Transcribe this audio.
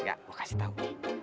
enggak gue kasih tahu